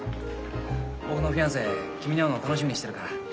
僕のフィアンセ君に会うの楽しみにしてるから。